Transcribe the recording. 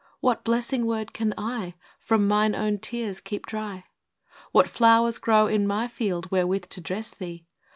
What blessing word can I, From mine own tears, keep dry? What flowers grow in my field wherewith to dress thee